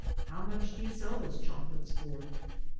How much do ! you sell those chocolates for?